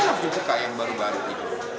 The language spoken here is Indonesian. ini harus dibuka yang baru baru gitu